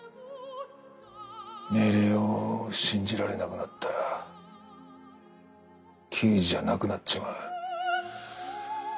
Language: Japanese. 命令を信じられなくなったら刑事じゃなくなっちまう。